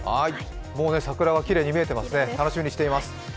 もう桜がきれいに見えてますね、楽しみにしています。